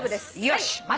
よし！